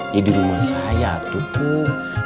ya di rumah saya tuh